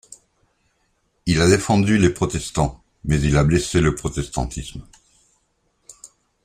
Il a défendu les protestants, mais il a blessé le protestantisme.